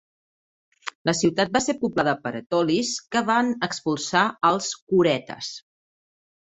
La ciutat va ser poblada per etolis que van expulsar als curetes.